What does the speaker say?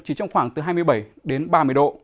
chỉ trong khoảng hai mươi bảy ba mươi độ